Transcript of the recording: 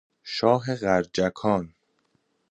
شاه غرجکان